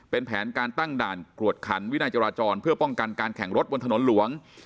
เป็นแผนการตั้งด่านกวดขันวินัยจราจรเพื่อป้องกันการแข่งรถบนถนนหลวง